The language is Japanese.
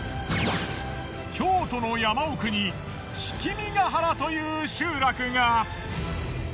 京都の山奥に樒原という集落が。